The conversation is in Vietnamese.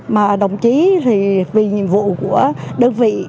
mà đồng chí thì vì nhiệm vụ của đơn vị